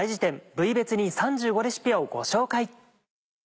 部位別に３５レシピをご紹介。